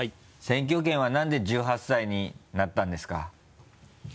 選挙権はなんで１８歳になったんですか？